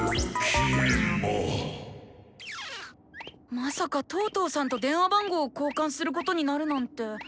まさかトートーさんと電話番号を交換することになるなんて。